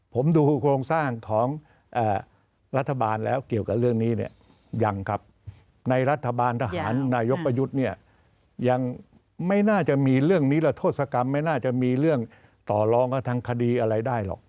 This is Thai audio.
ผมดูโครงสร้างของรัฐบาลแล้วเกี่ยวกันเรื่องนี้เนี่ย